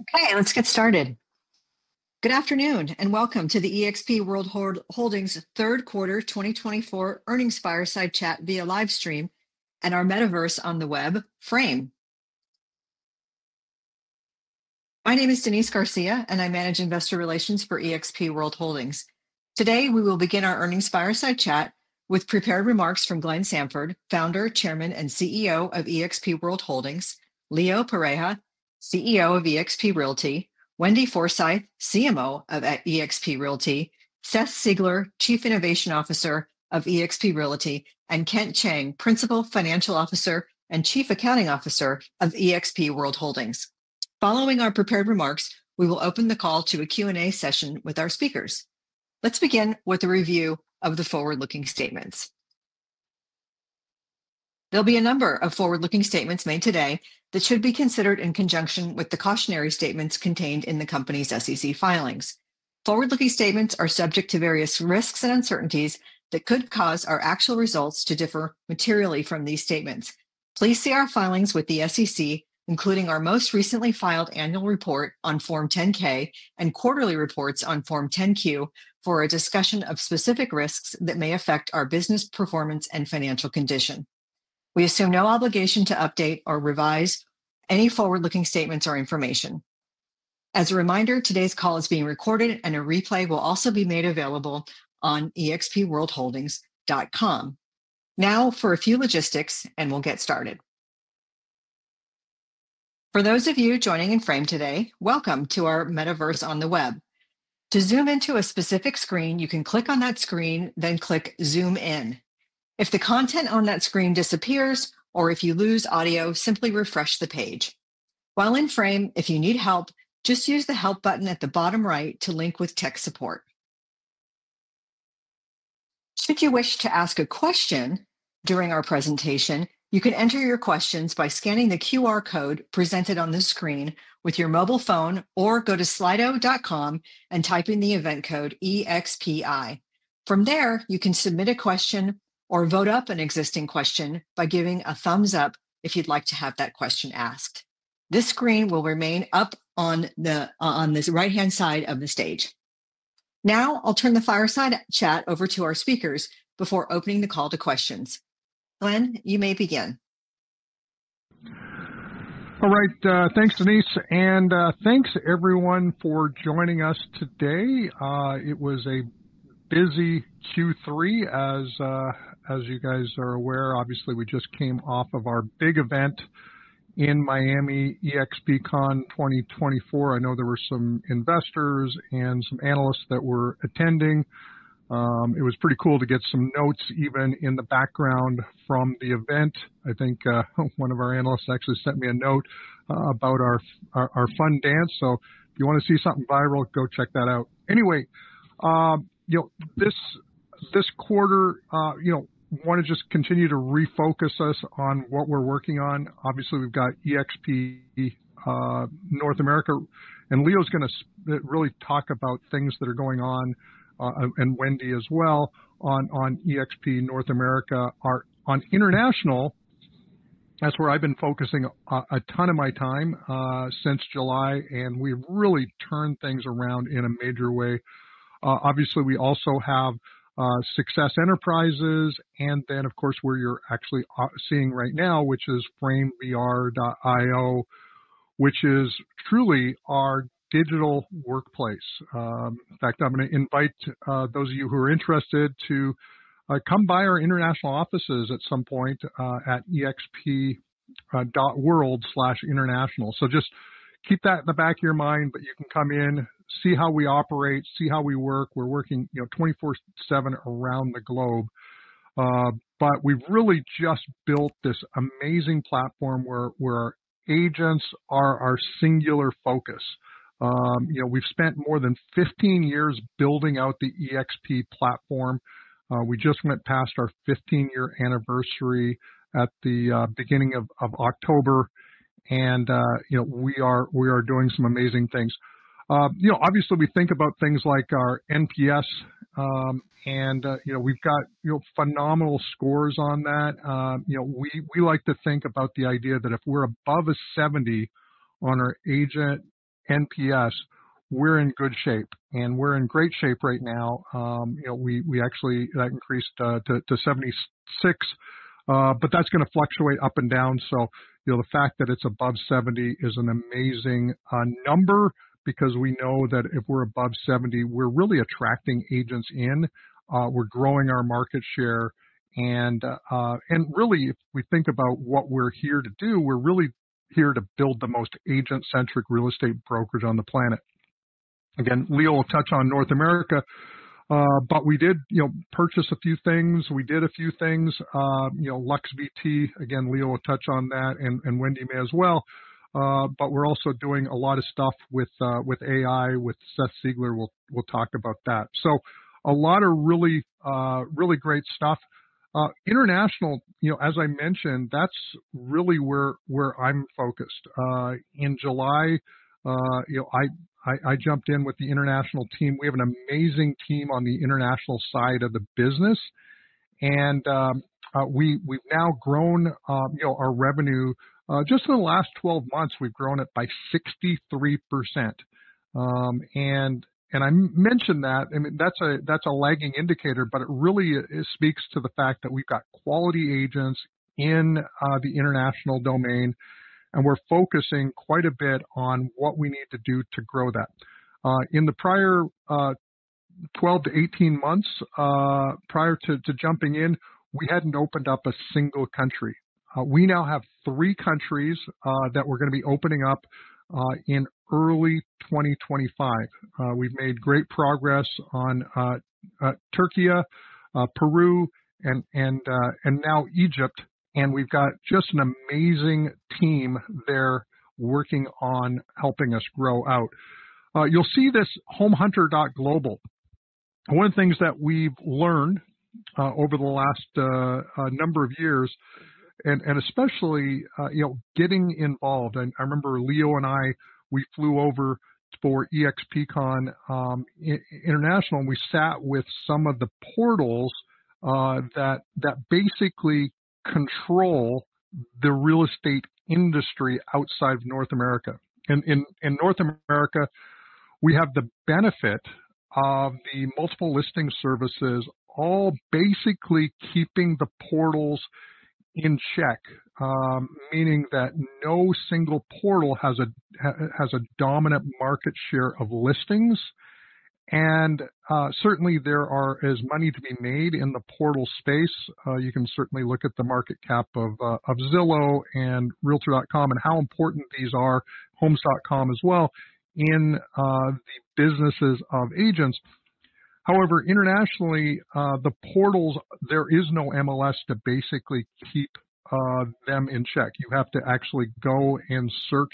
Okay, let's get started. Good afternoon and welcome to the eXp World Holdings' third quarter 2024 earnings fireside chat via livestream and our metaverse on the web, Frame. My name is Denise Garcia, and I manage investor relations for eXp World Holdings. Today we will begin our earnings fireside chat with prepared remarks from Glenn Sanford, Founder, Chairman, and CEO of eXp World Holdings; Leo Pareja, CEO of eXp Realty; Wendy Forsythe, CMO of eXp Realty; Seth Siegler, Chief Innovation Officer of eXp Realty; and Kent Cheng, Principal Financial Officer and Chief Accounting Officer of eXp World Holdings. Following our prepared remarks, we will open the call to a Q&A session with our speakers. Let's begin with a review of the forward-looking statements. There'll be a number of forward-looking statements made today that should be considered in conjunction with the cautionary statements contained in the company's SEC filings. Forward-looking statements are subject to various risks and uncertainties that could cause our actual results to differ materially from these statements. Please see our filings with the SEC, including our most recently filed annual report on Form 10-K and quarterly reports on Form 10-Q, for a discussion of specific risks that may affect our business performance and financial condition. We assume no obligation to update or revise any forward-looking statements or information. As a reminder, today's call is being recorded, and a replay will also be made available on expworldholdings.com. Now for a few logistics, and we'll get started. For those of you joining in Frame today, welcome to our metaverse on the web. To zoom into a specific screen, you can click on that screen, then click Zoom In. If the content on that screen disappears or if you lose audio, simply refresh the page. While in Frame, if you need help, just use the Help button at the bottom right to link with tech support. Should you wish to ask a question during our presentation, you can enter your questions by scanning the QR code presented on the screen with your mobile phone or go to slido.com and type in the event code EXPI. From there, you can submit a question or vote up an existing question by giving a thumbs up if you'd like to have that question asked. This screen will remain up on the right-hand side of the stage. Now I'll turn the fireside chat over to our speakers before opening the call to questions. Glenn, you may begin. All right, thanks Denise, and thanks everyone for joining us today. It was a busy Q3, as you guys are aware. Obviously, we just came off of our big event in Miami, EXPCON 2024. I know there were some investors and some analysts that were attending. It was pretty cool to get some notes even in the background from the event. I think one of our analysts actually sent me a note about our fund dance. So if you want to see something viral, go check that out. Anyway, this quarter, I want to just continue to refocus us on what we're working on. Obviously, we've got eXp North America, and Leo's going to really talk about things that are going on, and Wendy as well on eXp North America. On international, that's where I've been focusing a ton of my time since July, and we've really turned things around in a major way. Obviously, we also have Success Enterprises, and then of course, where you're actually seeing right now, which is framevr.io, which is truly our digital workplace. In fact, I'm going to invite those of you who are interested to come by our international offices at some point at exp.world/international. So just keep that in the back of your mind, but you can come in, see how we operate, see how we work. We're working 24/7 around the globe, but we've really just built this amazing platform where agents are our singular focus. We've spent more than 15 years building out the eXp platform. We just went past our 15-year anniversary at the beginning of October, and we are doing some amazing things. Obviously, we think about things like our NPS, and we've got phenomenal scores on that. We like to think about the idea that if we're above a 70 on our agent NPS, we're in good shape, and we're in great shape right now. We actually increased to 76, but that's going to fluctuate up and down. So the fact that it's above 70 is an amazing number because we know that if we're above 70, we're really attracting agents in. We're growing our market share. And really, if we think about what we're here to do, we're really here to build the most agent-centric real estate brokers on the planet. Again, Leo will touch on North America, but we did purchase a few things. We did a few things. LuxVT, again, Leo will touch on that, and Wendy may as well. But we're also doing a lot of stuff with AI, with Seth Siegler. We'll talk about that. So a lot of really great stuff. International, as I mentioned, that's really where I'm focused. In July, I jumped in with the international team. We have an amazing team on the international side of the business, and we've now grown our revenue. Just in the last 12 months, we've grown it by 63%. And I mentioned that. I mean, that's a lagging indicator, but it really speaks to the fact that we've got quality agents in the international domain, and we're focusing quite a bit on what we need to do to grow that. In the prior 12-18 months prior to jumping in, we hadn't opened up a single country. We now have three countries that we're going to be opening up in early 2025. We've made great progress on Türkiye, Peru, and now Egypt, and we've got just an amazing team there working on helping us grow out. You'll see this HomeHunter.global. One of the things that we've learned over the last number of years, and especially getting involved, I remember Leo and I, we flew over for EXPCON International, and we sat with some of the portals that basically control the real estate industry outside of North America. In North America, we have the benefit of the multiple listing services, all basically keeping the portals in check, meaning that no single portal has a dominant market share of listings. And certainly, there is money to be made in the portal space. You can certainly look at the market cap of Zillow and Realtor.com and how important these are, Homes.com as well, in the businesses of agents. However, internationally, the portals, there is no MLS to basically keep them in check. You have to actually go and search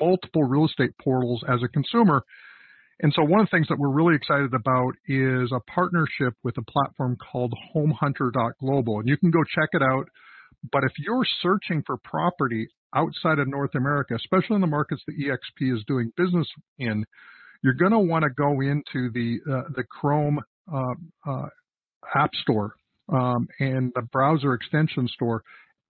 multiple real estate portals as a consumer. And so one of the things that we're really excited about is a partnership with a platform called HomeHunter.global. And you can go check it out, but if you're searching for property outside of North America, especially in the markets that eXp is doing business in, you're going to want to go into the Chrome Web Store and the browser extension store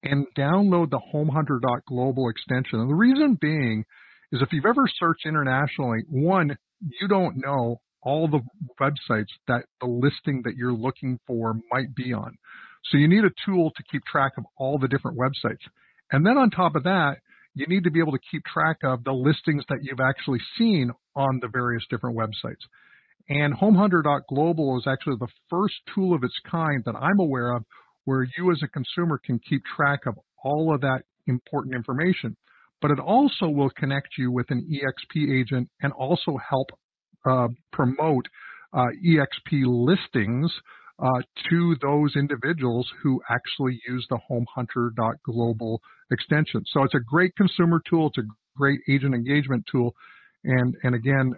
and download the HomeHunter.global extension. And the reason being is if you've ever searched internationally, one, you don't know all the websites that the listing that you're looking for might be on, so you need a tool to keep track of all the different websites. Then on top of that, you need to be able to keep track of the listings that you've actually seen on the various different websites. HomeHunter.global is actually the first tool of its kind that I'm aware of where you as a consumer can keep track of all of that important information. But it also will connect you with an eXp agent and also help promote eXp listings to those individuals who actually use the HomeHunter.global extension. So it's a great consumer tool. It's a great agent engagement tool. And again,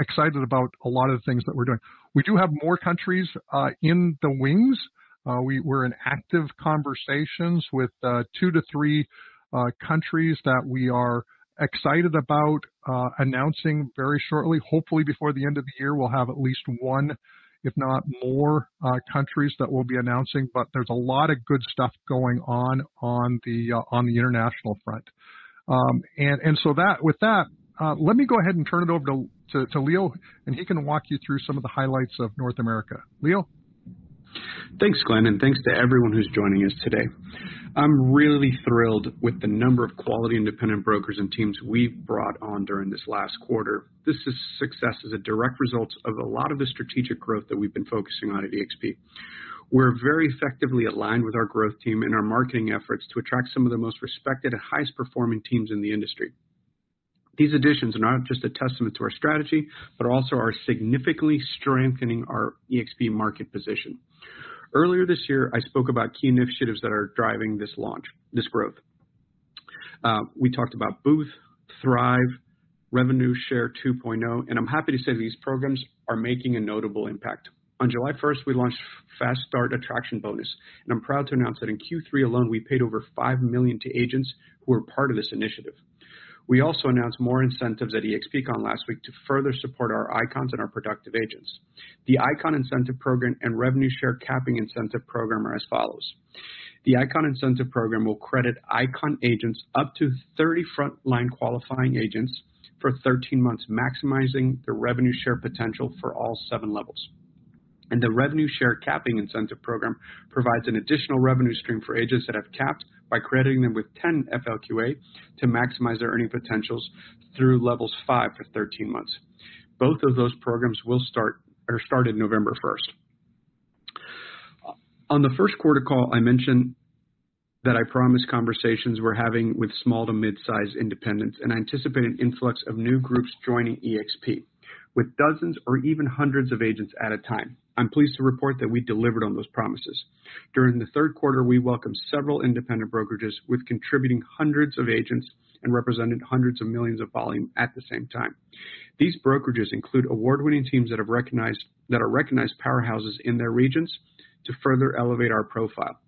excited about a lot of the things that we're doing. We do have more countries in the wings. We're in active conversations with two to three countries that we are excited about announcing very shortly. Hopefully, before the end of the year, we'll have at least one, if not more, countries that we'll be announcing, but there's a lot of good stuff going on on the international front. And so with that, let me go ahead and turn it over to Leo, and he can walk you through some of the highlights of North America. Leo. Thanks, Glenn, and thanks to everyone who's joining us today. I'm really thrilled with the number of quality independent brokers and teams we've brought on during this last quarter. This success is a direct result of a lot of the strategic growth that we've been focusing on at eXp. We're very effectively aligned with our growth team and our marketing efforts to attract some of the most respected and highest performing teams in the industry. These additions are not just a testament to our strategy, but also are significantly strengthening our eXp market position. Earlier this year, I spoke about key initiatives that are driving this launch, this growth. We talked about Boost, Thrive, Revenue Share 2.0, and I'm happy to say these programs are making a notable impact. On July 1st, we launched Fast Start Attraction Bonus, and I'm proud to announce that in Q3 alone, we paid over $5 million to agents who are part of this initiative. We also announced more incentives at EXPCON last week to further support our ICONs and our productive agents. The ICON Incentive Program and Revenue Share Capping Incentive Program are as follows. The ICON Incentive Program will credit ICON agents up to 30 frontline qualifying agents for 13 months, maximizing the revenue share potential for all seven levels. And the Revenue Share Capping Incentive Program provides an additional revenue stream for agents that have capped by crediting them with 10 FLQA to maximize their earning potentials through levels five for 13 months. Both of those programs will start on November 1st. On the first quarter call, I mentioned that I promised conversations we're having with small to mid-size independents, and I anticipate an influx of new groups joining eXp with dozens or even hundreds of agents at a time. I'm pleased to report that we delivered on those promises. During the third quarter, we welcomed several independent brokerages with contributing hundreds of agents and represented hundreds of millions of volume at the same time. These brokerages include award-winning teams that are recognized powerhouses in their regions to further elevate our profile.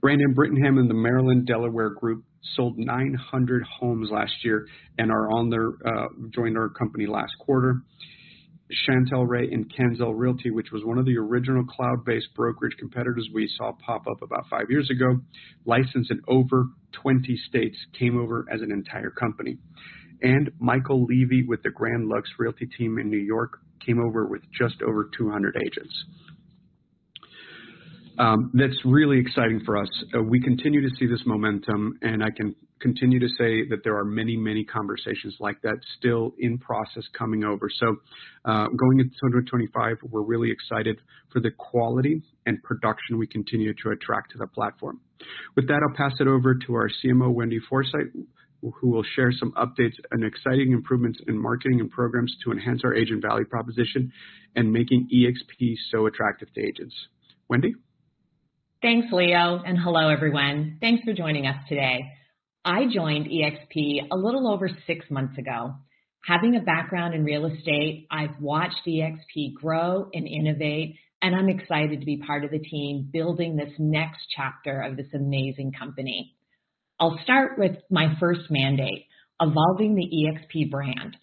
Brandon Brittingham and the Maryland Delaware Group sold 900 homes last year and joined our company last quarter. Chantel Ray and CanZell Realty, which was one of the original cloud-based brokerage competitors we saw pop up about five years ago, licensed in over 20 states, came over as an entire company. Michael Levy with the Grand Lux Realty team in New York came over with just over 200 agents. That's really exciting for us. We continue to see this momentum, and I can continue to say that there are many, many conversations like that still in process coming over. Going into 2025, we're really excited for the quality and production we continue to attract to the platform. With that, I'll pass it over to our CMO, Wendy Forsythe, who will share some updates and exciting improvements in marketing and programs to enhance our agent value proposition and making eXp so attractive to agents. Wendy. Thanks, Leo, and hello, everyone. Thanks for joining us today. I joined eXp a little over six months ago. Having a background in real estate, I've watched eXp grow and innovate, and I'm excited to be part of the team building this next chapter of this amazing company. I'll start with my first mandate, evolving the eXp brand.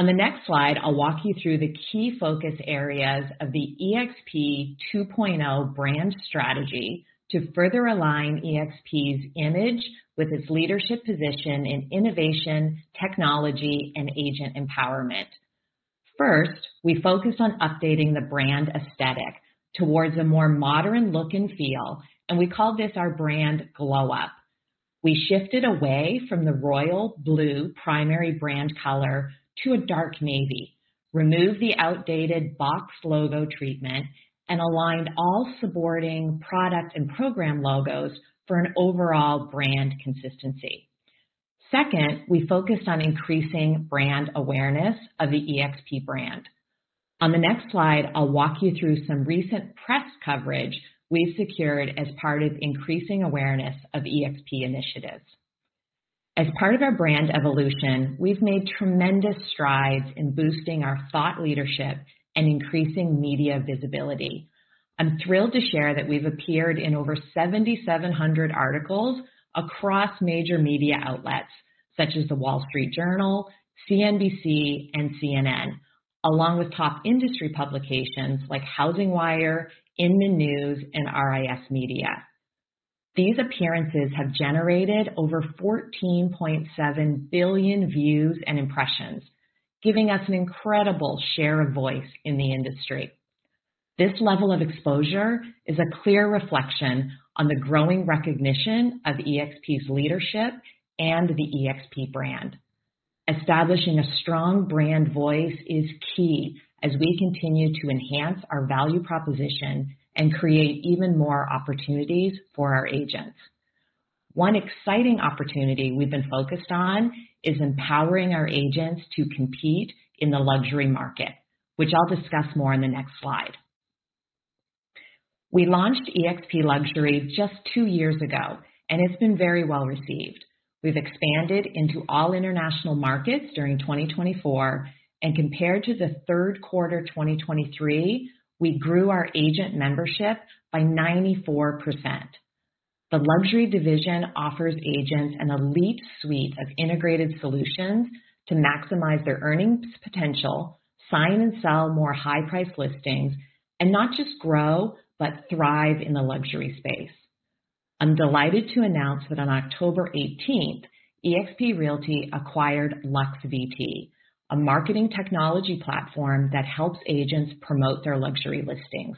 On the next slide, I'll walk you through the key focus areas of the eXp 2.0 brand strategy to further align eXp's image with its leadership position in innovation, technology, and agent empowerment. First, we focused on updating the brand aesthetic towards a more modern look and feel, and we called this our brand glow-up. We shifted away from the royal blue primary brand color to a dark navy, removed the outdated box logo treatment, and aligned all supporting product and program logos for an overall brand consistency. Second, we focused on increasing brand awareness of the eXp brand. On the next slide, I'll walk you through some recent press coverage we've secured as part of increasing awareness of eXp initiatives. As part of our brand evolution, we've made tremendous strides in boosting our thought leadership and increasing media visibility. I'm thrilled to share that we've appeared in over 7,700 articles across major media outlets such as The Wall Street Journal, CNBC, and CNN, along with top industry publications like HousingWire, Inman, and RISMedia. These appearances have generated over 14.7 billion views and impressions, giving us an incredible share of voice in the industry. This level of exposure is a clear reflection on the growing recognition of eXp's leadership and the eXp brand. Establishing a strong brand voice is key as we continue to enhance our value proposition and create even more opportunities for our agents. One exciting opportunity we've been focused on is empowering our agents to compete in the luxury market, which I'll discuss more on the next slide. We launched eXp Luxury just two years ago, and it's been very well received. We've expanded into all international markets during 2024, and compared to the third quarter 2023, we grew our agent membership by 94%. The luxury division offers agents an elite suite of integrated solutions to maximize their earnings potential, sign and sell more high-priced listings, and not just grow, but thrive in the luxury space. I'm delighted to announce that on October 18th, eXp Realty acquired LuxVT, a marketing technology platform that helps agents promote their luxury listings.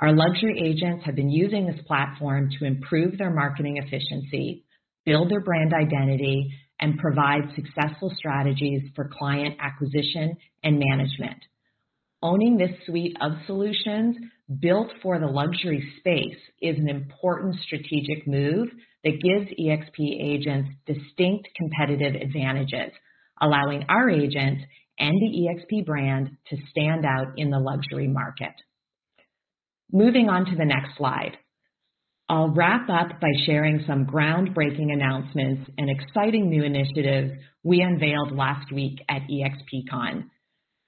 Our luxury agents have been using this platform to improve their marketing efficiency, build their brand identity, and provide successful strategies for client acquisition and management. Owning this suite of solutions built for the luxury space is an important strategic move that gives eXp agents distinct competitive advantages, allowing our agents and the eXp brand to stand out in the luxury market. Moving on to the next slide, I'll wrap up by sharing some groundbreaking announcements and exciting new initiatives we unveiled last week at EXPCON.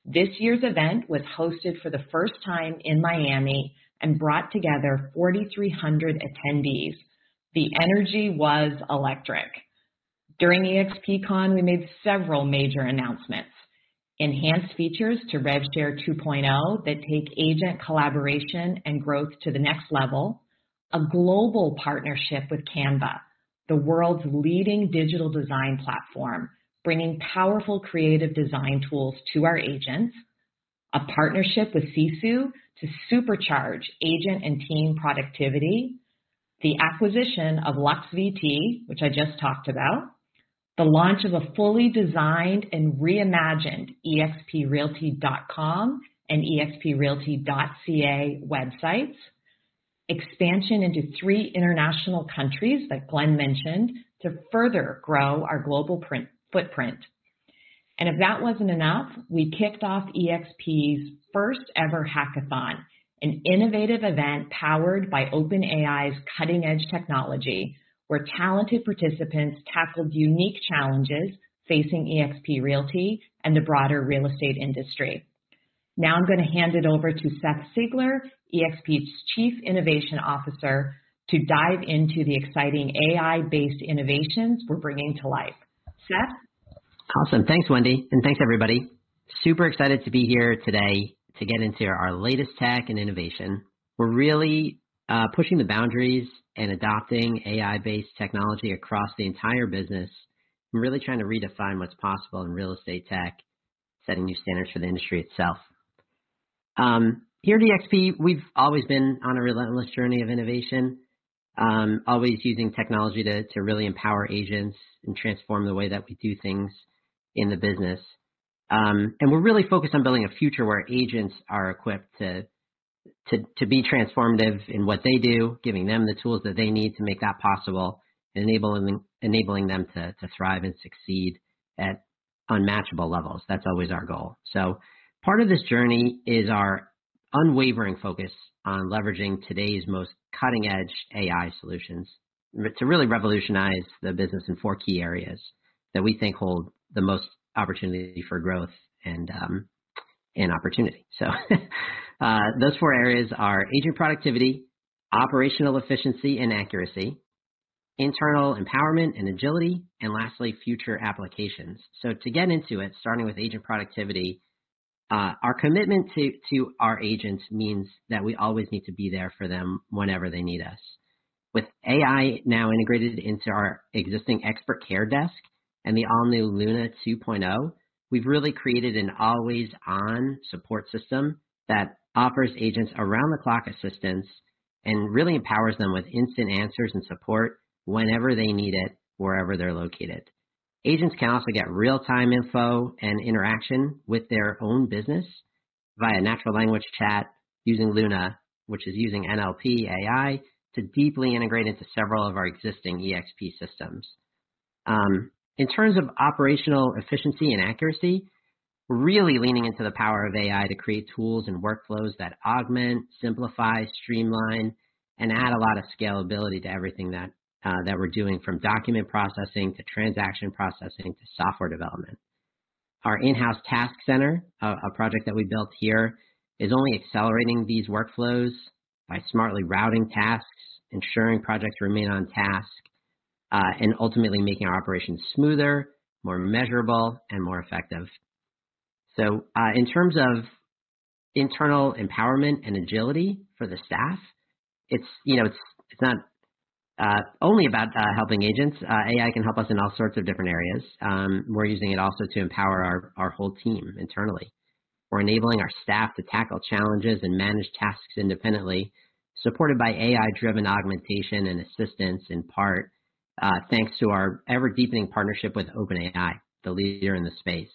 This year's event was hosted for the first time in Miami and brought together 4,300 attendees. The energy was electric. During EXPCON, we made several major announcements: enhanced features to RevShare 2.0 that take agent collaboration and growth to the next level, a global partnership with Canva, the world's leading digital design platform, bringing powerful creative design tools to our agents, a partnership with Sisu to supercharge agent and team productivity, the acquisition of LuxVT, which I just talked about, the launch of a fully designed and reimagined eXpRealty.com and eXpRealty.ca websites, expansion into three international countries that Glenn mentioned to further grow our global footprint. And if that wasn't enough, we kicked off eXp's first-ever hackathon, an innovative event powered by OpenAI's cutting-edge technology, where talented participants tackled unique challenges facing eXp Realty and the broader real estate industry. Now I'm going to hand it over to Seth Siegler, eXp's Chief Innovation Officer, to dive into the exciting AI-based innovations we're bringing to life. Seth. Awesome. Thanks, Wendy, and thanks, everybody. Super excited to be here today to get into our latest tech and innovation. We're really pushing the boundaries and adopting AI-based technology across the entire business and really trying to redefine what's possible in real estate tech, setting new standards for the industry itself. Here at eXp, we've always been on a relentless journey of innovation, always using technology to really empower agents and transform the way that we do things in the business. And we're really focused on building a future where agents are equipped to be transformative in what they do, giving them the tools that they need to make that possible and enabling them to thrive and succeed at unmatchable levels. That's always our goal. So part of this journey is our unwavering focus on leveraging today's most cutting-edge AI solutions to really revolutionize the business in four key areas that we think hold the most opportunity for growth and opportunity. So those four areas are agent productivity, operational efficiency and accuracy, internal empowerment and agility, and lastly, future applications. So to get into it, starting with agent productivity, our commitment to our agents means that we always need to be there for them whenever they need us. With AI now integrated into our existing Expert Care Desk and the all-new Luna 2.0, we've really created an always-on support system that offers agents around-the-clock assistance and really empowers them with instant answers and support whenever they need it, wherever they're located. Agents can also get real-time info and interaction with their own business via natural language chat using Luna, which is using NLP AI to deeply integrate into several of our existing eXp systems. In terms of operational efficiency and accuracy, we're really leaning into the power of AI to create tools and workflows that augment, simplify, streamline, and add a lot of scalability to everything that we're doing, from document processing to transaction processing to software development. Our in-house Task Center, a project that we built here, is only accelerating these workflows by smartly routing tasks, ensuring projects remain on task, and ultimately making our operations smoother, more measurable, and more effective. So in terms of internal empowerment and agility for the staff, it's not only about helping agents. AI can help us in all sorts of different areas. We're using it also to empower our whole team internally. We're enabling our staff to tackle challenges and manage tasks independently, supported by AI-driven augmentation and assistance in part thanks to our ever-deepening partnership with OpenAI, the leader in the space.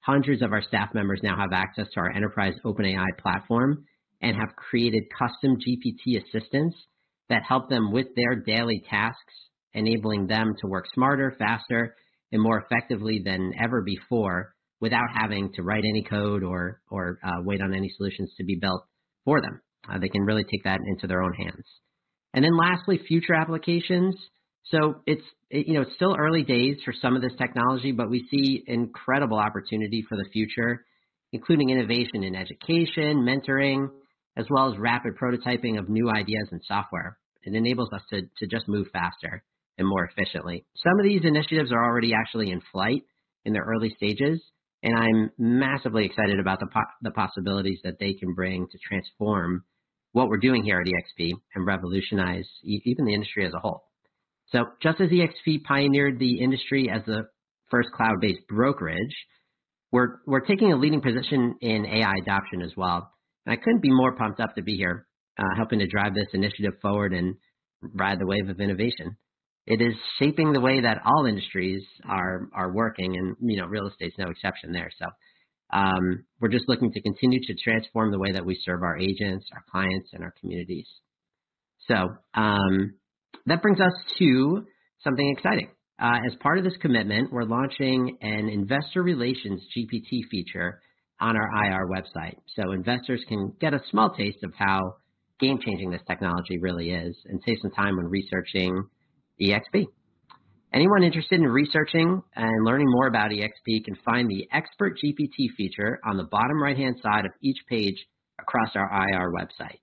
Hundreds of our staff members now have access to our enterprise OpenAI platform and have created custom GPT assistants that help them with their daily tasks, enabling them to work smarter, faster, and more effectively than ever before without having to write any code or wait on any solutions to be built for them. They can really take that into their own hands. And then lastly, future applications. So it's still early days for some of this technology, but we see incredible opportunity for the future, including innovation in education, mentoring, as well as rapid prototyping of new ideas and software. It enables us to just move faster and more efficiently. Some of these initiatives are already actually in flight in their early stages, and I'm massively excited about the possibilities that they can bring to transform what we're doing here at eXp and revolutionize even the industry as a whole, so just as eXp pioneered the industry as the first cloud-based brokerage, we're taking a leading position in AI adoption as well, and I couldn't be more pumped up to be here helping to drive this initiative forward and ride the wave of innovation. It is shaping the way that all industries are working, and real estate's no exception there, so we're just looking to continue to transform the way that we serve our agents, our clients, and our communities, so that brings us to something exciting. As part of this commitment, we're launching an ExpertGPT feature on our IR website. Investors can get a small taste of how game-changing this technology really is and save some time when researching eXp. Anyone interested in researching and learning more about eXp can find the ExpertGPT feature on the bottom right-hand side of each page across our IR website.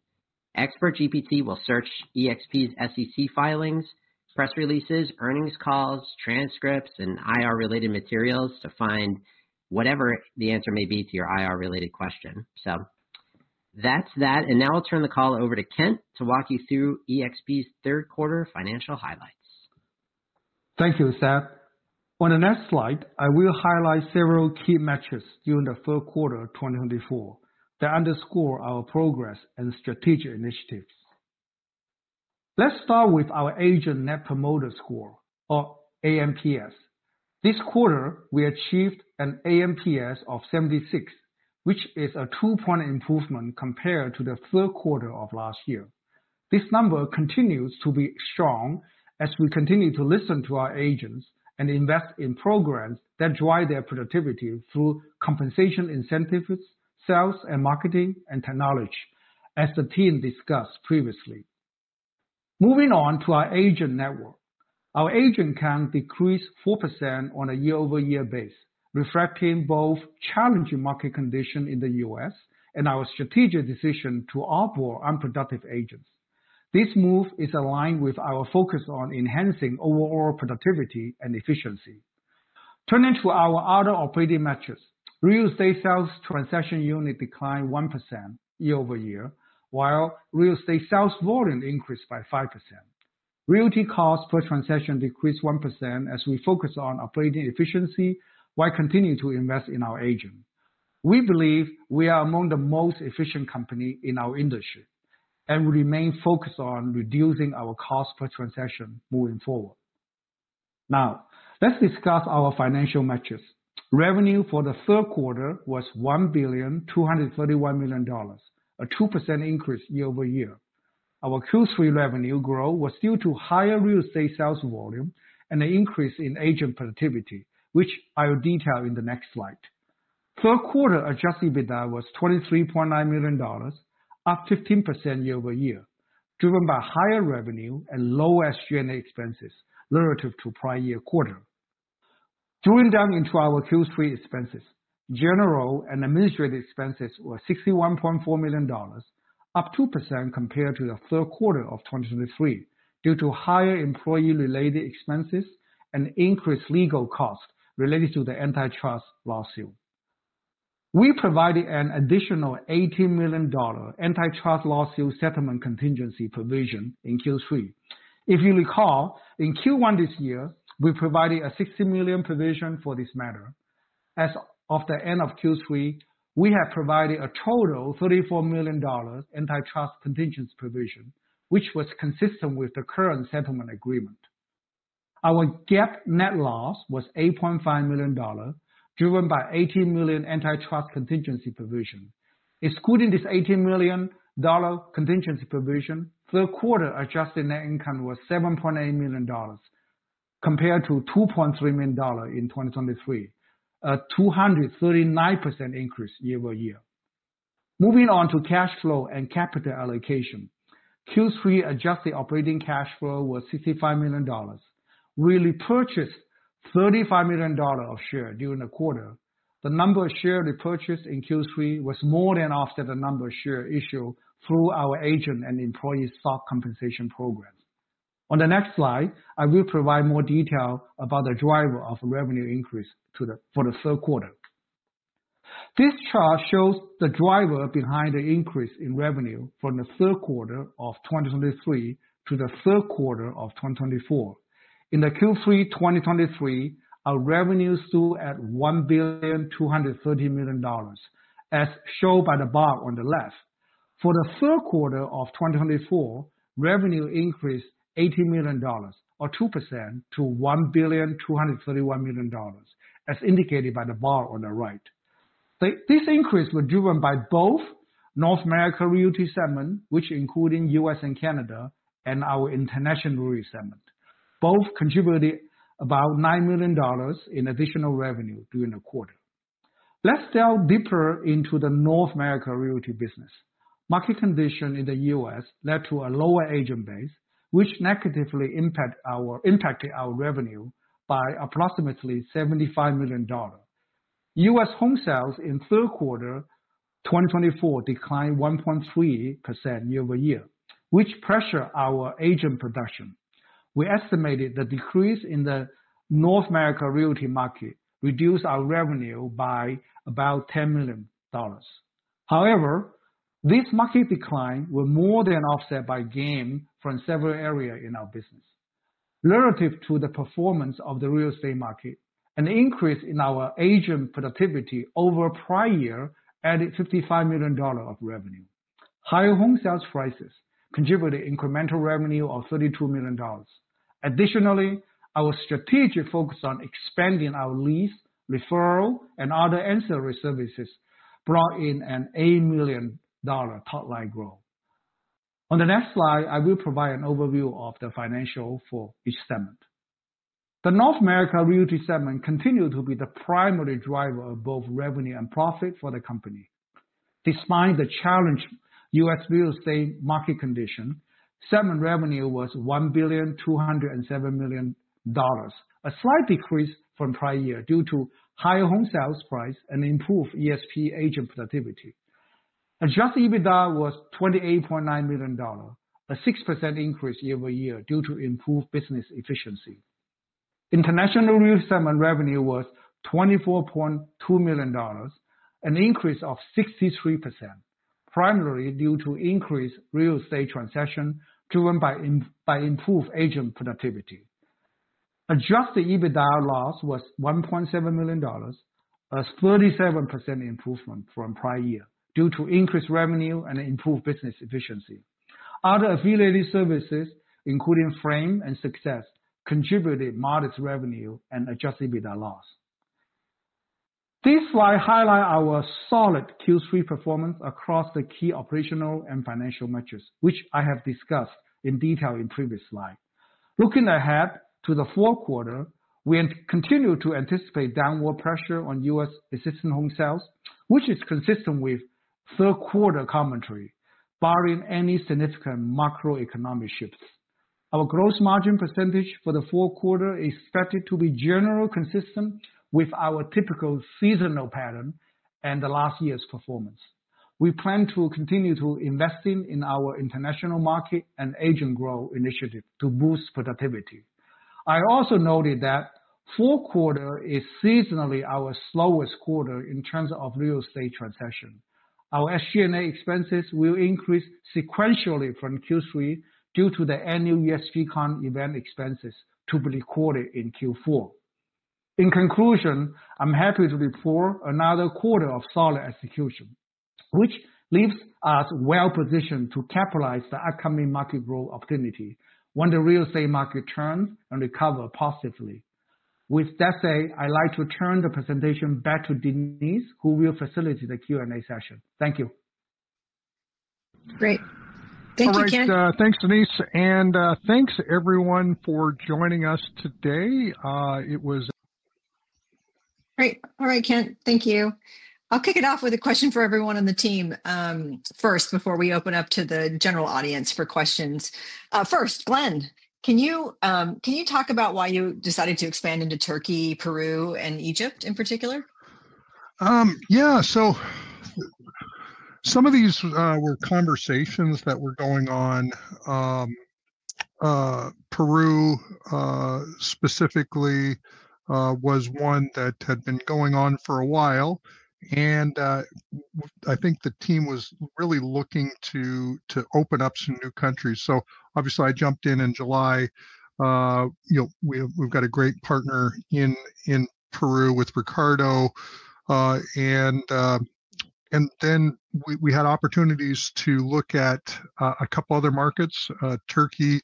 ExpertGPT will search eXp's SEC filings, press releases, earnings calls, transcripts, and IR-related materials to find whatever the answer may be to your IR-related question. That's that. Now I'll turn the call over to Kent to walk you through eXp's third quarter financial highlights. Thank you, Seth. On the next slide, I will highlight several key metrics during the third quarter of 2024 that underscore our progress and strategic initiatives. Let's start with our agent net promoter score, or aNPS. This quarter, we achieved an aNPS of 76, which is a two-point improvement compared to the third quarter of last year. This number continues to be strong as we continue to listen to our agents and invest in programs that drive their productivity through compensation incentives, sales, and marketing and technology, as the team discussed previously. Moving on to our agent network, our agent count decreased 4% on a year-over-year basis, reflecting both challenging market conditions in the U.S. and our strategic decision to onboard unproductive agents. This move is aligned with our focus on enhancing overall productivity and efficiency. Turning to our other operating metrics, real estate sales transaction unit declined 1% year-over-year, while real estate sales volume increased by 5%. Realty costs per transaction decreased 1% as we focus on operating efficiency while continuing to invest in our agents. We believe we are among the most efficient companies in our industry, and we remain focused on reducing our costs per transaction moving forward. Now, let's discuss our financial metrics. Revenue for the third quarter was $1,231 million, a 2% increase year-over-year. Our Q3 revenue growth was due to higher real estate sales volume and an increase in agent productivity, which I'll detail in the next slide. Third quarter Adjusted EBITDA was $23.9 million, up 15% year-over-year, driven by higher revenue and lower SG&A expenses relative to prior year quarter. Drilling down into our Q3 expenses, general and administrative expenses were $61.4 million, up 2% compared to the third quarter of 2023 due to higher employee-related expenses and increased legal costs related to the antitrust lawsuit. We provided an additional $18 million antitrust lawsuit settlement contingency provision in Q3. If you recall, in Q1 this year, we provided a $60 million provision for this matter. As of the end of Q3, we have provided a total of $34 million antitrust contingency provision, which was consistent with the current settlement agreement. Our GAAP net loss was $8.5 million, driven by $18 million antitrust contingency provision. Excluding this $18 million contingency provision, third quarter adjusted net income was $7.8 million compared to $2.3 million in 2023, a 239% increase year-over-year. Moving on to cash flow and capital allocation, Q3 adjusted operating cash flow was $65 million. We repurchased $35 million of shares during the quarter. The number of shares repurchased in Q3 was more than the number of shares issued through our agent and employee stock compensation programs. On the next slide, I will provide more detail about the driver of revenue increase for the third quarter. This chart shows the driver behind the increase in revenue from the third quarter of 2023 to the third quarter of 2024. In Q3 2023, our revenue stood at $1,230 million, as shown by the bar on the left. For the third quarter of 2024, revenue increased $18 million, or 2%, to $1,231 million, as indicated by the bar on the right. This increase was driven by both North America Realty segment, which included U.S. and Canada, and our international realty segment. Both contributed about $9 million in additional revenue during the quarter. Let's delve deeper into the North America Realty business. Market conditions in the U.S. led to a lower agent base, which negatively impacted our revenue by approximately $75 million. U.S. home sales in the third quarter 2024 declined 1.3% year-over-year, which pressured our agent production. We estimated the decrease in the North America Realty market reduced our revenue by about $10 million. However, this market decline was more than offset by gain from several areas in our business. Relative to the performance of the real estate market, an increase in our agent productivity over prior year added $55 million of revenue. Higher home sales prices contributed to incremental revenue of $32 million. Additionally, our strategic focus on expanding our lease, referral, and other ancillary services brought in an $8 million top-line growth. On the next slide, I will provide an overview of the financials for each segment. The North America Realty segment continued to be the primary driver of both revenue and profit for the company. Despite the challenging U.S. real estate market conditions, segment revenue was $1,207 million, a slight decrease from prior year due to higher home sales prices and improved eXp agent productivity. Adjusted EBITDA was $28.9 million, a 6% increase year-over-year due to improved business efficiency. International real estate segment revenue was $24.2 million, an increase of 63%, primarily due to increased real estate transactions driven by improved agent productivity. Adjusted EBITDA loss was $1.7 million, a 37% improvement from prior year due to increased revenue and improved business efficiency. Other affiliated services, including Frame and Success, contributed modest revenue and adjusted EBITDA loss. This slide highlights our solid Q3 performance across the key operational and financial metrics, which I have discussed in detail in the previous slide. Looking ahead to the fourth quarter, we continue to anticipate downward pressure on U.S. existing home sales, which is consistent with third quarter commentary, barring any significant macroeconomic shifts. Our gross margin percentage for the fourth quarter is expected to be generally consistent with our typical seasonal pattern and the last year's performance. We plan to continue investing in our international market and agent growth initiatives to boost productivity. I also noted that the fourth quarter is seasonally our slowest quarter in terms of real estate transactions. Our SG&A expenses will increase sequentially from Q3 due to the annual EXPCON event expenses to be recorded in Q4. In conclusion, I'm happy to report another quarter of solid execution, which leaves us well-positioned to capitalize on the upcoming market growth opportunity when the real estate market turns and recovers positively. With that said, I'd like to turn the presentation back to Denise, who will facilitate the Q&A session. Thank you. Great. Thank you, Kent. Thanks, Denise. And thanks, everyone, for joining us today. It was. Great. All right, Kent. Thank you. I'll kick it off with a question for everyone on the team first before we open up to the general audience for questions. First, Glenn, can you talk about why you decided to expand into Turkey, Peru, and Egypt in particular? Yeah. Some of these were conversations that were going on. Peru, specifically, was one that had been going on for a while. I think the team was really looking to open up some new countries. Obviously, I jumped in in July. We've got a great partner in Peru with Ricardo. Then we had opportunities to look at a couple of other markets, Türkiye.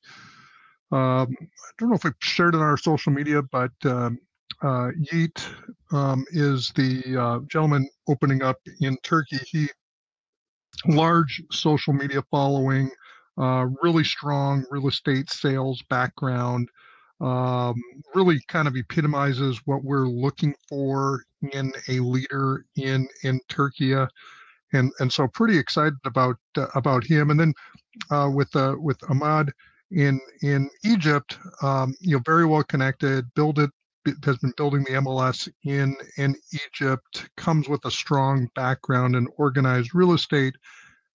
I don't know if we've shared it on our social media, but Yiğit is the gentleman opening up in Türkiye. He has a large social media following, really strong real estate sales background, really kind of epitomizes what we're looking for in a leader in Türkiye. So pretty excited about him. And then with Ahmed in Egypt, very well connected, has been building the MLS in Egypt, comes with a strong background in organized real estate,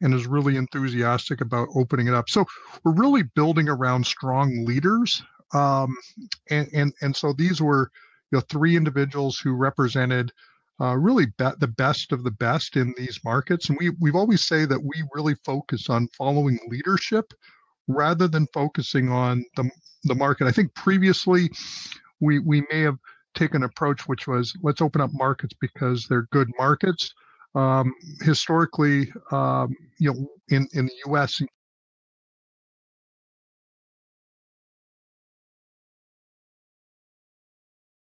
and is really enthusiastic about opening it up. So we're really building around strong leaders. And so these were three individuals who represented really the best of the best in these markets. And we've always said that we really focus on following leadership rather than focusing on the market. I think previously, we may have taken an approach which was, "Let's open up markets because they're good markets." Historically, in the U.S., in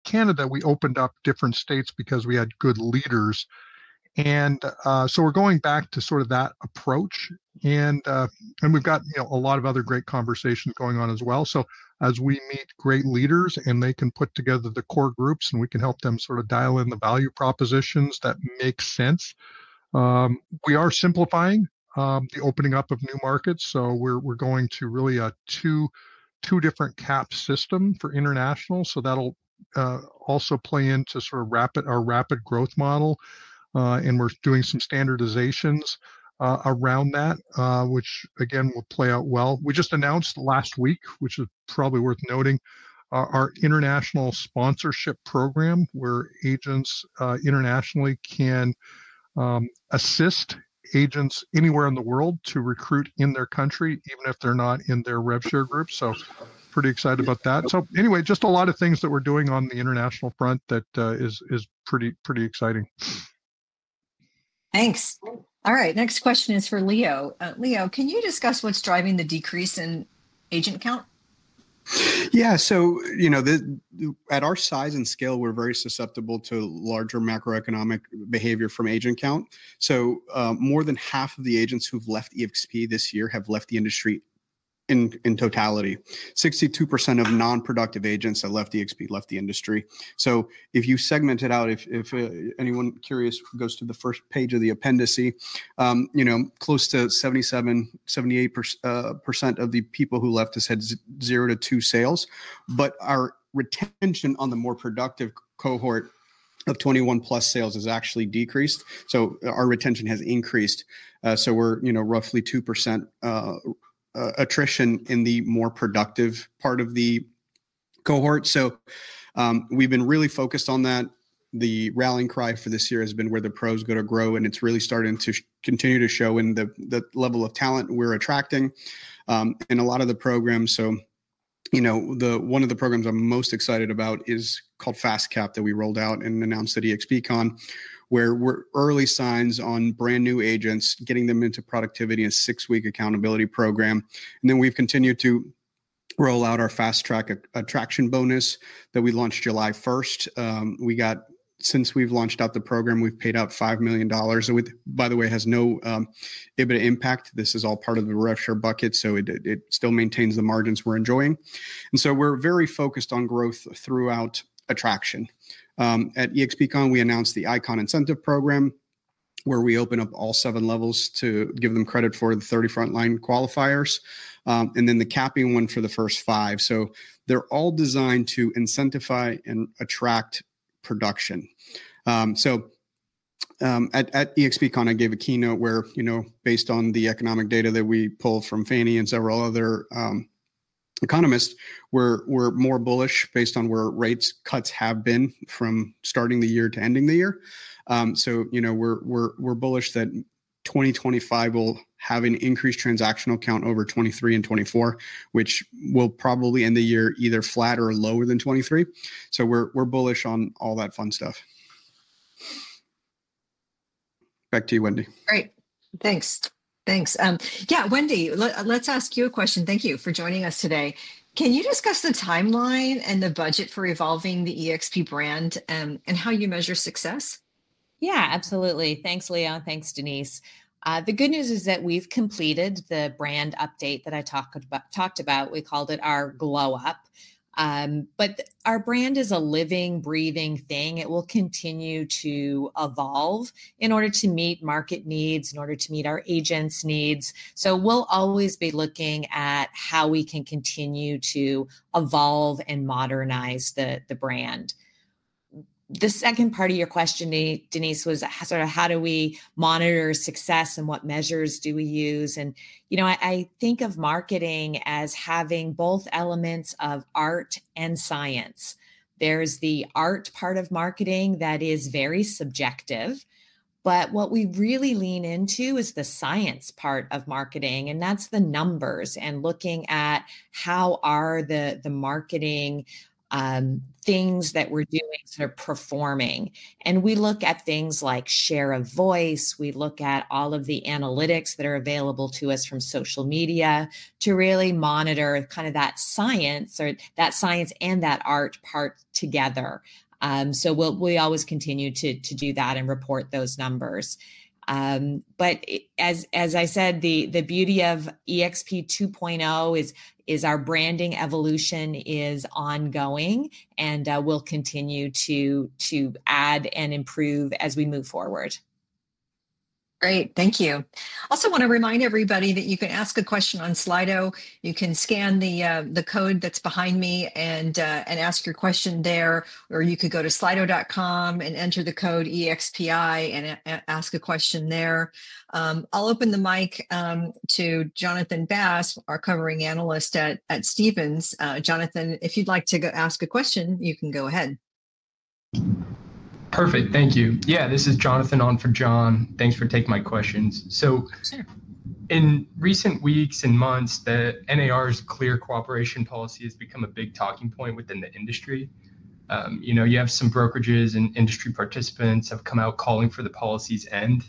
Canada, we opened up different states because we had good leaders. And so we're going back to sort of that approach. And we've got a lot of other great conversations going on as well. So as we meet great leaders and they can put together the core groups and we can help them sort of dial in the value propositions that make sense, we are simplifying the opening up of new markets. So we're going to really a two different cap system for international. So that'll also play into sort of our rapid growth model. And we're doing some standardizations around that, which, again, will play out well. We just announced last week, which is probably worth noting, our International Sponsorship Program where agents internationally can assist agents anywhere in the world to recruit in their country, even if they're not in their rev share group. So pretty excited about that. So anyway, just a lot of things that we're doing on the international front that is pretty exciting. Thanks. All right. Next question is for Leo. Leo, can you discuss what's driving the decrease in agent count? Yeah. So at our size and scale, we're very susceptible to larger macroeconomic behavior from agent count. So more than half of the agents who've left eXp this year have left the industry in totality. 62% of nonproductive agents that left eXp left the industry. So if you segment it out, if anyone curious goes to the first page of the appendix, close to 77%-78% of the people who left us had zero to two sales. But our retention on the more productive cohort of 21+ sales has actually decreased. So our retention has increased. So we're roughly 2% attrition in the more productive part of the cohort. So we've been really focused on that. The rallying cry for this year has been where the pros are going to grow. It's really starting to continue to show in the level of talent we're attracting in a lot of the programs. One of the programs I'm most excited about is called FastCap that we rolled out and announced at EXPCON, where we're seeing early signs on brand new agents, getting them into productivity in a six-week accountability program. Then we've continued to roll out our Fast Start attraction bonus that we launched July 1st. Since we've launched the program, we've paid out $5 million. By the way, it has no EBITDA impact. This is all part of the rev share bucket. It still maintains the margins we're enjoying. We're very focused on growth through attraction. At EXPCON, we announced the ICON incentive program, where we open up all seven levels to give them credit for the 30 frontline qualifiers and then the capping one for the first five. So they're all designed to incentivize and attract production. So at EXPCON, I gave a keynote where, based on the economic data that we pulled from Fannie Mae and several other economists, we're more bullish based on where rate cuts have been from starting the year to ending the year we're bullish that 2025 will have an increased transactional count over 2023 and 2024 which will probably end the year either flat or lower than 2023. So we're bullish on all that fun stuff. Back to you, Wendy. Great. Thanks. Thanks. Yeah, Wendy, let's ask you a question. Thank you for joining us today. Can you discuss the timeline and the budget for evolving the eXp brand and how you measure success? Yeah, absolutely. Thanks, Leo. Thanks, Denise. The good news is that we've completed the brand update that I talked about. We called it our glow-up, but our brand is a living, breathing thing. It will continue to evolve in order to meet market needs, in order to meet our agents' needs, so we'll always be looking at how we can continue to evolve and modernize the brand. The second part of your question, Denise, was sort of how do we monitor success and what measures do we use, and I think of marketing as having both elements of art and science. There's the art part of marketing that is very subjective, but what we really lean into is the science part of marketing, and that's the numbers and looking at how are the marketing things that we're doing sort of performing, and we look at things like share of voice. We look at all of the analytics that are available to us from social media to really monitor kind of that science and that art part together. So we always continue to do that and report those numbers. But as I said, the beauty of eXp 2.0 is our branding evolution is ongoing, and we'll continue to add and improve as we move forward. Great. Thank you. Also want to remind everybody that you can ask a question on Slido. You can scan the code that's behind me and ask your question there. Or you could go to slido.com and enter the code EXPI and ask a question there. I'll open the mic to Jonathan Bass, our covering analyst at Stephens. Jonathan, if you'd like to ask a question, you can go ahead. Perfect. Thank you. Yeah, this is Jonathan on for John. Thanks for taking my questions. So in recent weeks and months, the NAR's Clear Cooperation Policy has become a big talking point within the industry. You have some brokerages and industry participants who have come out calling for the policy's end.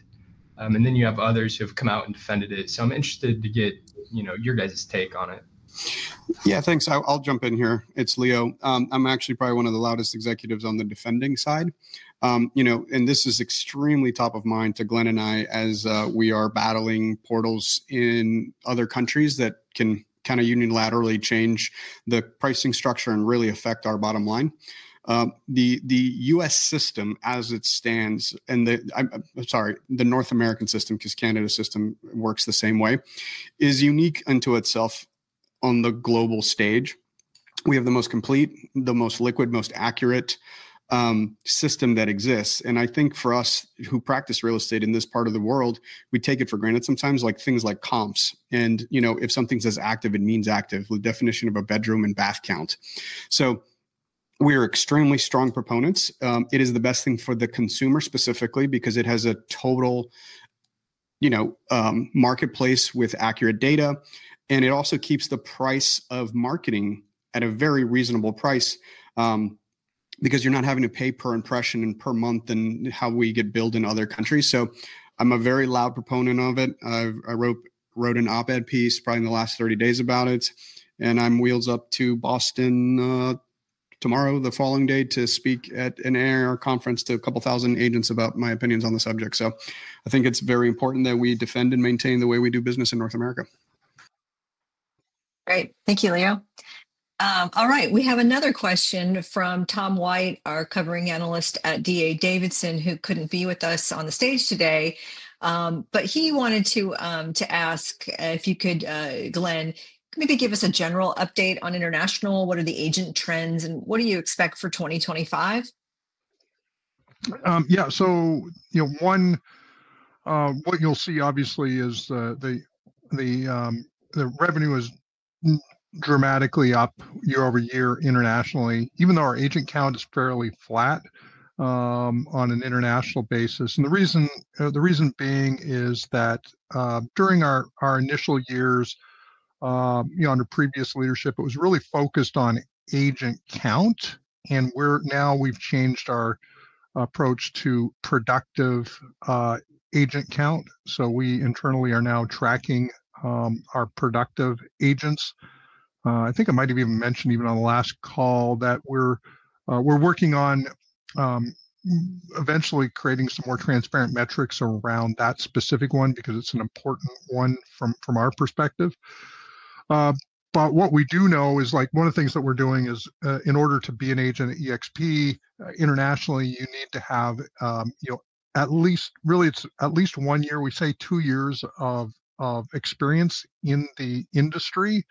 And then you have others who have come out and defended it. So I'm interested to get your guys' take on it. Yeah, thanks. I'll jump in here. It's Leo. I'm actually probably one of the loudest executives on the defending side, and this is extremely top of mind to Glenn and I as we are battling portals in other countries that can kind of unilaterally change the pricing structure and really affect our bottom line. The U.S. system as it stands, and I'm sorry, the North American system because the Canadian system works the same way, is unique unto itself on the global stage. We have the most complete, the most liquid, most accurate system that exists, and I think for us who practice real estate in this part of the world, we take it for granted sometimes, like things like comps. If something says active, it means active, the definition of a bedroom and bath count. So we are extremely strong proponents. It is the best thing for the consumer specifically because it has a total marketplace with accurate data, and it also keeps the price of marketing at a very reasonable price because you're not having to pay per impression and per month and how we get billed in other countries, so I'm a very loud proponent of it. I wrote an op-ed piece probably in the last 30 days about it, and I'm wheels up to Boston tomorrow, the following day to speak at an NAR conference to a couple thousand agents about my opinions on the subject, so I think it's very important that we defend and maintain the way we do business in North America. Great. Thank you, Leo. All right. We have another question from Tom White, our covering analyst at D.A. Davidson, who couldn't be with us on the stage today. But he wanted to ask if you could, Glenn, maybe give us a general update on international. What are the agent trends and what do you expect for 2025? Yeah. So one, what you'll see obviously is the revenue is dramatically up year-over-year internationally, even though our agent count is fairly flat on an international basis. And the reason being is that during our initial years under previous leadership, it was really focused on agent count. And now we've changed our approach to productive agent count. So we internally are now tracking our productive agents. I think it might have even been mentioned on the last call that we're working on eventually creating some more transparent metrics around that specific one because it's an important one from our perspective. What we do know is one of the things that we're doing is in order to be an agent at eXp internationally, you need to have at least, really, it's at least one year, we say two years of experience in the industry,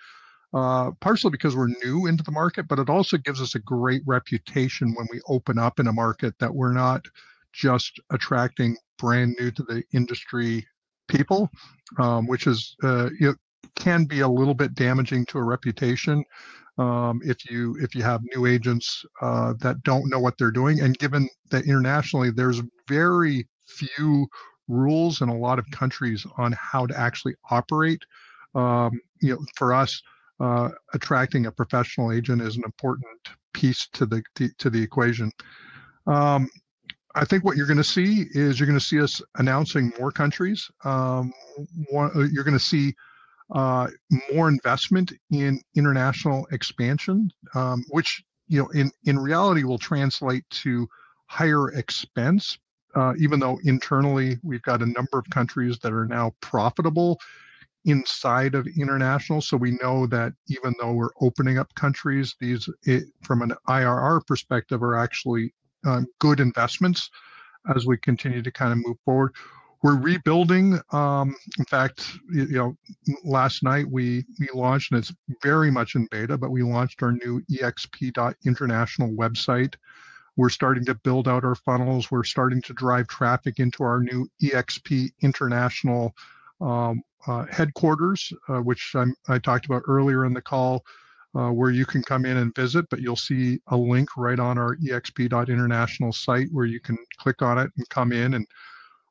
partially because we're new into the market, but it also gives us a great reputation when we open up in a market that we're not just attracting brand new to the industry people, which can be a little bit damaging to a reputation if you have new agents that don't know what they're doing. Given that internationally, there's very few rules in a lot of countries on how to actually operate. For us, attracting a professional agent is an important piece to the equation. I think what you're going to see is us announcing more countries. You're going to see more investment in international expansion, which in reality will translate to higher expense, even though internally we've got a number of countries that are now profitable inside of international. So we know that even though we're opening up countries, these from an IRR perspective are actually good investments as we continue to kind of move forward. We're rebuilding. In fact, last night we launched, and it's very much in beta, but we launched our new eXp International website. We're starting to build out our funnels. We're starting to drive traffic into our new eXp International headquarters, which I talked about earlier in the call, where you can come in and visit. But you'll see a link right on our eXp International site where you can click on it and come in and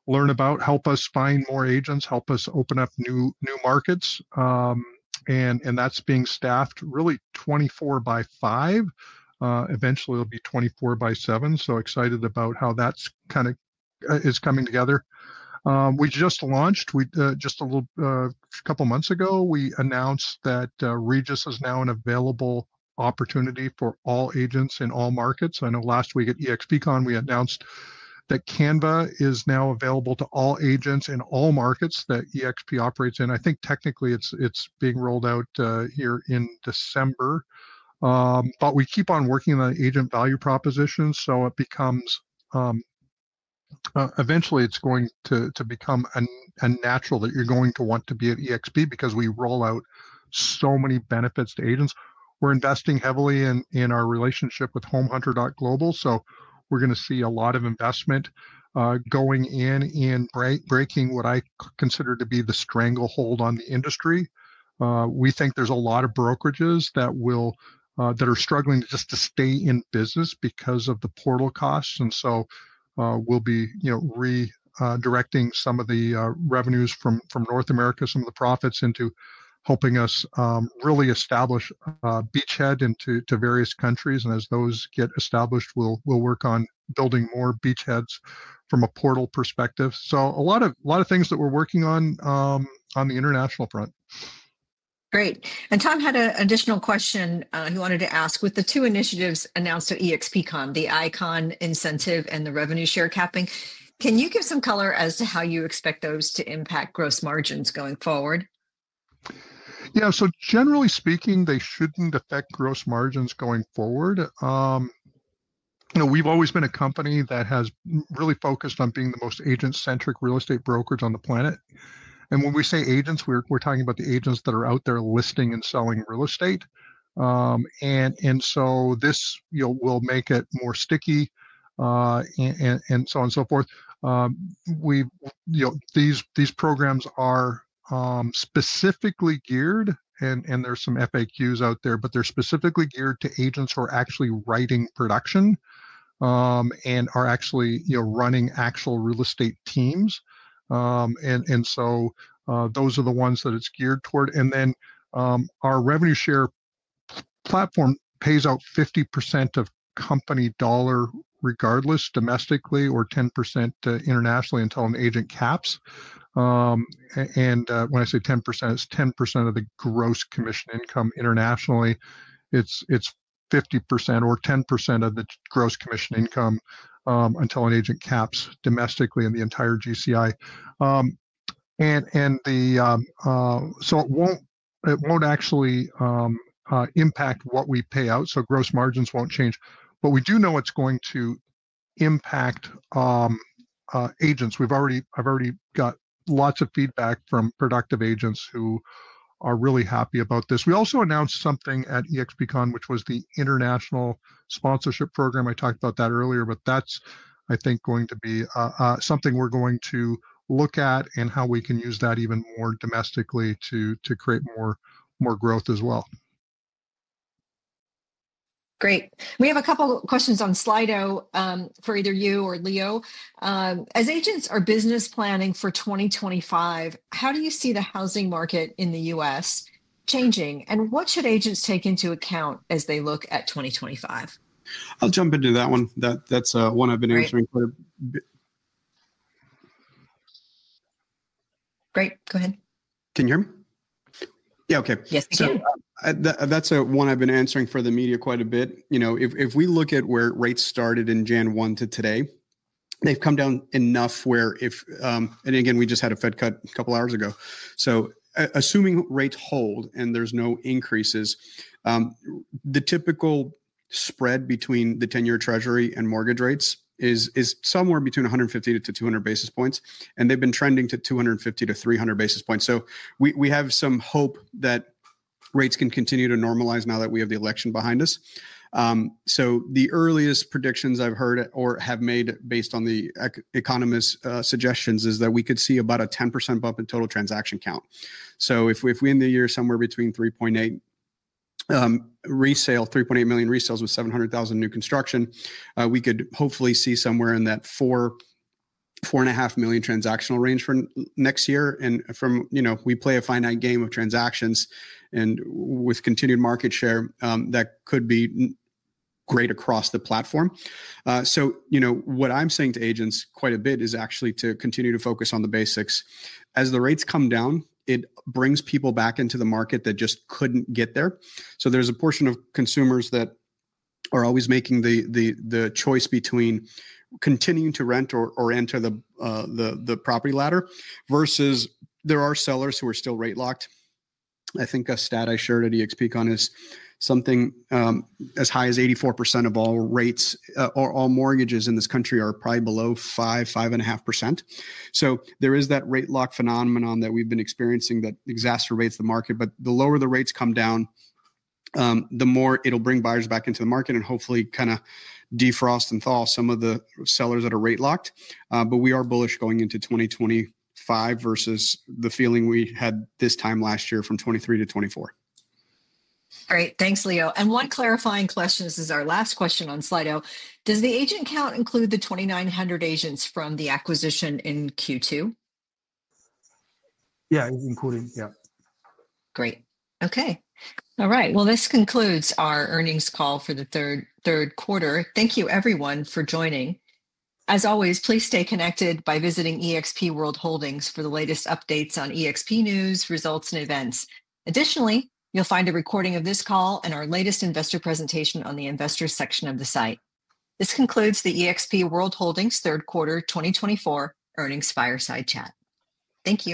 learn about, help us find more agents, help us open up new markets. And that's being staffed really 24 by five. Eventually, it'll be 24 by seven, so excited about how that kind of is coming together. We just launched just a couple of months ago. We announced that Regus is now an available opportunity for all agents in all markets. I know last week at EXPCON, we announced that Canva is now available to all agents in all markets that eXp operates in. I think technically it's being rolled out here in December. But we keep on working on agent value propositions, so eventually, it's going to become natural that you're going to want to be at eXp because we roll out so many benefits to agents. We're investing heavily in our relationship with HomeHunter.global, so we're going to see a lot of investment going in and breaking what I consider to be the stranglehold on the industry. We think there's a lot of brokerages that are struggling just to stay in business because of the portal costs. And so we'll be redirecting some of the revenues from North America, some of the profits into helping us really establish beachhead into various countries. And as those get established, we'll work on building more beachheads from a portal perspective. So a lot of things that we're working on on the international front. Great. And Tom had an additional question he wanted to ask. With the two initiatives announced at EXPCON, the ICON incentive and the Revenue Share Capping, can you give some color as to how you expect those to impact gross margins going forward? Yeah. So generally speaking, they shouldn't affect gross margins going forward. We've always been a company that has really focused on being the most agent-centric real estate brokers on the planet. And when we say agents, we're talking about the agents that are out there listing and selling real estate. And so this will make it more sticky and so on and so forth. These programs are specifically geared, and there's some FAQs out there, but they're specifically geared to agents who are actually writing production and are actually running actual real estate teams. And so those are the ones that it's geared toward. And then our revenue share platform pays out 50% of company dollar regardless domestically or 10% internationally until an agent caps. And when I say 10%, it's 10% of the gross commission income internationally. It's 50% or 10% of the gross commission income until an agent caps domestically in the entire GCI. And so it won't actually impact what we pay out. So gross margins won't change. But we do know it's going to impact agents. I've already got lots of feedback from productive agents who are really happy about this. We also announced something at EXPCON, which was the International Sponsorship Program. I talked about that earlier, but that's, I think, going to be something we're going to look at and how we can use that even more domestically to create more growth as well. Great. We have a couple of questions on Slido for either you or Leo. As agents are business planning for 2025, how do you see the housing market in the U.S. changing, and what should agents take into account as they look at 2025? I'll jump into that one. That's one I've been answering quite a bit. Great. Go ahead. Can you hear me? Yeah. Okay. Yes. That's one I've been answering for the media quite a bit. If we look at where rates started in January 1 to today, they've come down enough where if, and again, we just had a Fed cut a couple hours ago. So assuming rates hold and there's no increases, the typical spread between the 10-year Treasury and mortgage rates is somewhere between 150-200 basis points. And they've been trending to 250-300 basis points. So we have some hope that rates can continue to normalize now that we have the election behind us. So the earliest predictions I've heard or have made based on the economist's suggestions is that we could see about a 10% bump in total transaction count. So if we end the year somewhere between 3.8 million resales with 700,000 new construction, we could hopefully see somewhere in that 4.5 million transactional range for next year. And we play a finite game of transactions. And with continued market share, that could be great across the platform. So what I'm saying to agents quite a bit is actually to continue to focus on the basics. As the rates come down, it brings people back into the market that just couldn't get there. So there's a portion of consumers that are always making the choice between continuing to rent or enter the property ladder versus there are sellers who are still rate locked. I think a stat I shared at EXPCON is something as high as 84% of all rates or all mortgages in this country are probably below 5%-5.5%. So there is that rate lock phenomenon that we've been experiencing that exacerbates the market. But the lower the rates come down, the more it'll bring buyers back into the market and hopefully kind of defrost and thaw some of the sellers that are rate locked. But we are bullish going into 2025 versus the feeling we had this time last year from 2023 to 2024. All right. Thanks, Leo. And one clarifying question. This is our last question on Slido. Does the agent count include the 2,900 agents from the acquisition in Q2? Yeah. Including. Yeah. Great. Okay. All right. Well, this concludes our earnings call for the third quarter. Thank you, everyone, for joining. As always, please stay connected by visiting eXp World Holdings for the latest updates on eXp news, results, and events. Additionally, you'll find a recording of this call and our latest investor presentation on the investor section of the site. This concludes the eXp World Holdings third quarter 2024 earnings fireside chat. Thank you.